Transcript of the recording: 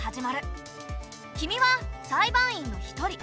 君は裁判員の１人。